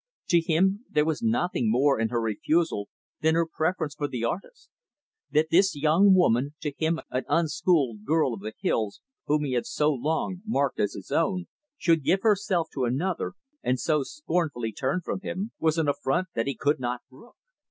To him, there was nothing more in her refusal than her preference for the artist. That this young woman to him, an unschooled girl of the hills whom he had so long marked as his own, should give herself to another, and so scornfully turn from him, was an affront that he could not brook.